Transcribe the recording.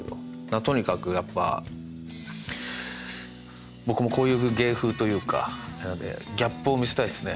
とにかくやっぱ僕もこういう芸風というかなのでギャップを見せたいっすね。